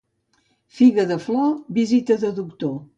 Figa de flor, visita de doctor.